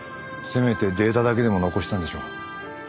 せめてデータだけでも残したんでしょう。